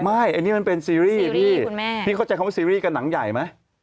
ไม่อันนี้มันเป็นซีรีส์พี่พี่เข้าใจคำว่าซีรีส์กับหนังใหญ่ไหม